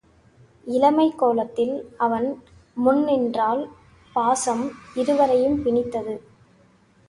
இளமைக் கோலத்தில் அவன் முன் நின்றாள் பாசம் இருவரையும் பிணித்தது.